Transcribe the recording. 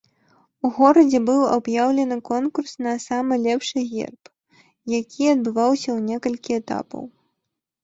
У горадзе быў аб'яўлены конкурс на самы лепшы герб, які адбываўся ў некалькі этапаў.